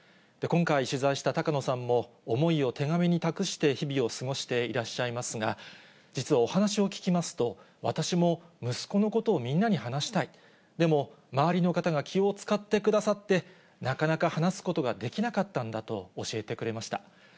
今回取材した高野さんも、思いを手紙に託して、日々を過ごしていらっしゃいますが、実はお話を聞きますと、私も息子のことをみんなに話したい、でも、周りの方が気を遣ってくださって、なかなか話すことができなかったんだと教えてくれました。